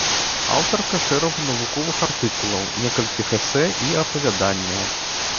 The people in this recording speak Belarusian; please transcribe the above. Аўтарка шэрагу навуковых артыкулаў, некалькіх эсэ і апавяданняў.